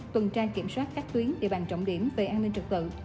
tuần tra kiểm soát các tuyến địa bàn trọng điểm về an ninh trật tự